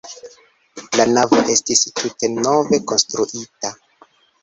La navo estis tute nove konstruita.